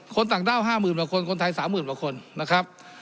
คนสังด้าว๕หมื่นประคนคนไทย๓หมื่นประคนนะครับ